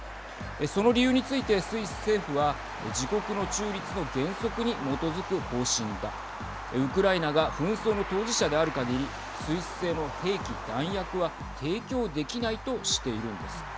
その理由についてスイス政府は自国の中立の原則に基づく方針だウクライナが紛争の当事者であるかぎりスイス製の兵器・弾薬は提供できないとしているんです。